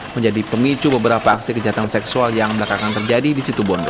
menjadi pemicu beberapa aksi kejahatan seksual yang belakangan terjadi di situ bondo